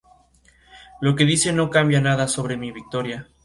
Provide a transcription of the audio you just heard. Lo que dice no cambia nada sobre mi victoria.